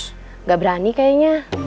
enggak berani kayaknya